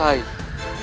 yang bisa menguasai